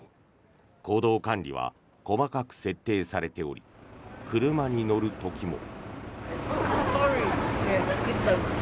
行動管理は細かく設定されており車に乗る時も。